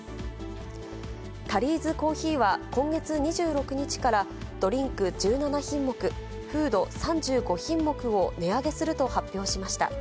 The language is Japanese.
タリーズコーヒーは、今月２６日からドリンク１７品目、フード３５品目を値上げすると発表しました。